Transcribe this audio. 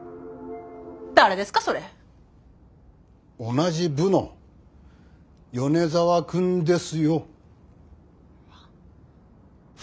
同じ部の米沢くんですよ。